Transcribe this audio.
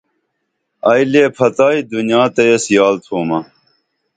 ائی لے پھتائی دنیا تہ ایس یال تھومہ